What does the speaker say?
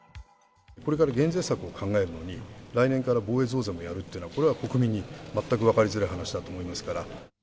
これから減税策を考えるのに、来年から防衛増税もやるっていうのは、これは国民に全く分かりづらい話だと思いますから。